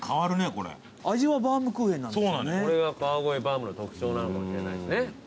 これが川越バウムの特徴なのかもしれないですね。